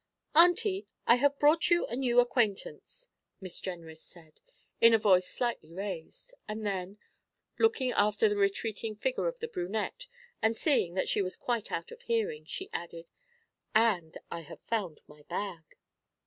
'Auntie, I have brought you a new acquaintance,' Miss Jenrys said, in a voice slightly raised; and then, looking after the retreating figure of the brunette and seeing that she was quite out of hearing, she added, 'and I have found my bag.'